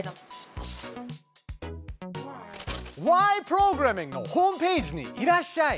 プログラミング」のホームページにいらっしゃい！